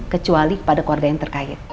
kecuali kepada keluarga yang terkait